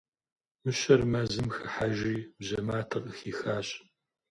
Мыщэр мэзым хыхьэжри, бжьэ матэ къыхихащ.